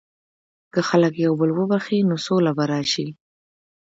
که خلک یو بل وبخښي، نو سوله به راشي.